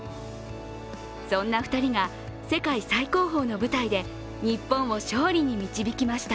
そんな２人が世界最高峰の舞台で日本を勝利に導きました。